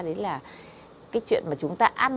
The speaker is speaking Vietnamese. đấy là cái chuyện mà chúng ta ăn